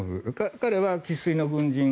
彼は生粋の軍人。